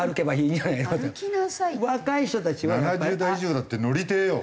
７０代以上だって乗りてえよ！